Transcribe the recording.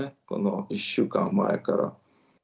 この１週間前から。